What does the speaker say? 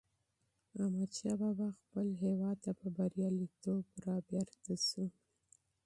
احمدشاه بابا خپل هېواد ته په بریالیتوب راستون شو.